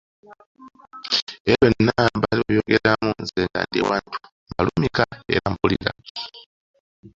Ebyo byonna baali babyogeramu nze nga ndi awantu mbalumika era mpulira.